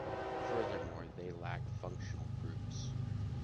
Furthermore, they lack functional groups.